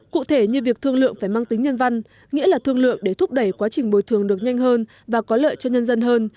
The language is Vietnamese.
cụ thể như việc thương lượng phải mang tính nhân văn nghĩa là thương lượng để thúc đẩy quá trình bồi thường được nhanh hơn và có lợi cho nhân dân hơn